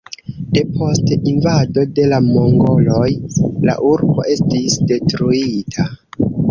Depost invado de la mongoloj la urbo estis detruita.